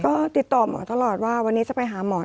ก็ติดต่อหมอตลอดว่าวันนี้จะไปหาหมอ